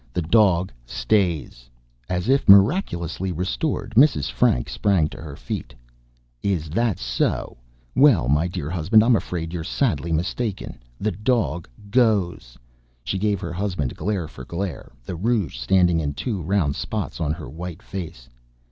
"The dog stays." As if miraculously restored, Mrs. Frank sprang to her feet. "Is that so? Well, my dear husband, I'm afraid you're sadly mistaken. The dog goes!" She gave her husband glare for glare, the rouge standing in two round spots on her white face.